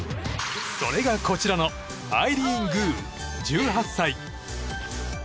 それが、こちらのアイリーン・グー、１８歳。